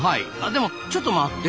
でもちょっと待って。